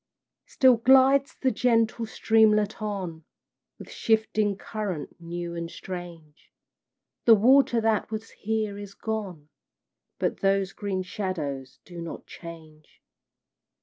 Still glides the gentle streamlet on, With shifting current new and strange; The water that was here is gone, But those green shadows do not change.